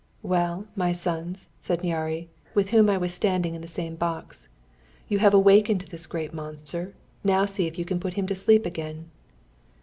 "Well, my sons," said Nyáry, with whom I was standing in the same box, "you have awakened this great monster, now see if you can put him to sleep again!"